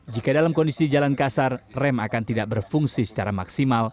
jika dalam kondisi jalan kasar rem akan tidak berfungsi secara maksimal